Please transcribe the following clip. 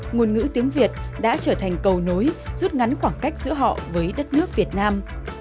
ngôn ngữ tiếng việt đã trở thành cầu nối rút ngắn khoảng cách giữa họ với đất nước việt nam